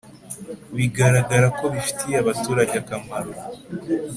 bigaragara ko bifitiye abaturage akamaro